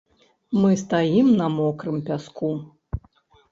Мы стаім на мокрым пяску.